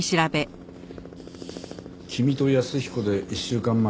君と安彦で１週間前